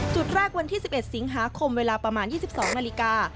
จุดแรกวันที่๑๑สิงหาคมเวลาประมาณ๒๒นาฬิกา